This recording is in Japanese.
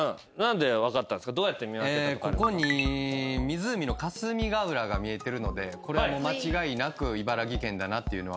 ここに湖の霞ヶ浦が見えてるのでこれは間違いなく茨城県だなっていうのは分かりましたね。